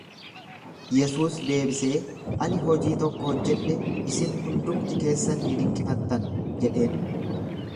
Yesuus deebisee, Ani hojii tokko hojjadhe, isin hundumti keessan ni dinqifattan jedheen.